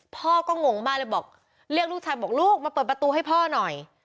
พ่อก็งงมากเลยบอกเรียกลูกชายบอกลูกมาเปิดประตูให้พ่อหน่อย